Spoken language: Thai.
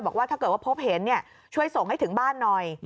บอกว่าถ้าเกิดว่าพบเห็นช่วยส่งให้ถึงบ้านหน่อย